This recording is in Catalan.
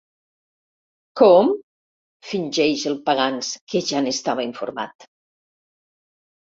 Com? —fingeix el Pagans, que ja n'estava informat.